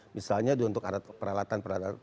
misalnya untuk peralatan peralatan